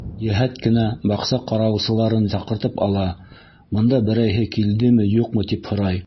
Йәһәт кенә баҡса ҡарауылсыларын саҡыртып ала, бында берәйһе килдеме-юҡмы, тип һорай.